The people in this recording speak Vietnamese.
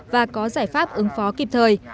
và có giải pháp ứng phó kịp thời